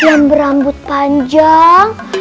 yang berambut panjang